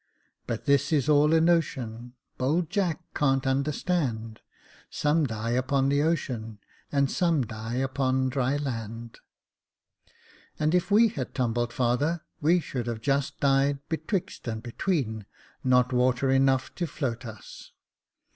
But this is all a notion Bold Jack can't understand ; Some die upon the ocean, And some die upon dry land." " And if we had tumbled, father, we should have just died betwixt and between, not water enough to float us.